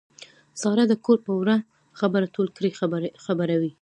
ساره د کور په وړه خبره ټول کلی خبروي.